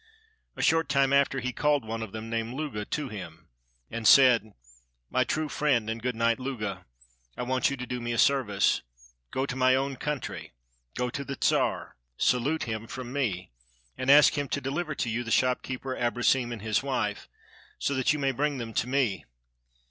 A short time after he called one of them, named Luga, to him, and said— "My true friend and good knight Luga, I want you to do me a service. Go to my own country, go to the Czar, salute him from me, and ask him to deliver to you the shopkeeper Abrosim and his wife, so that you may bring them to me.